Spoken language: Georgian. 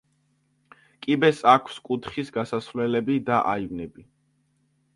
კიბეს აქვს კუთხის გასასვლელები და აივნები.